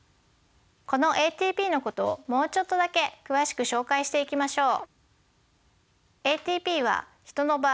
このＡＴＰのことをもうちょっとだけ詳しく紹介していきましょう。